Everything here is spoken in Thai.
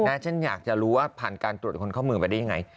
ฉันอยากจะรู้ว่าผ่านการตรวจคนเข้ามือมาได้ยังไง